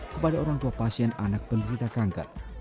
kepada orang tua pasien anak penderita kanker